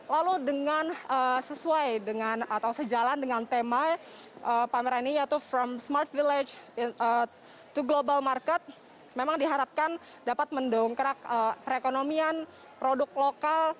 lalu dengan sesuai dengan atau sejalan dengan tema pameran ini yaitu from smart village to global market memang diharapkan dapat mendongkrak perekonomian produk lokal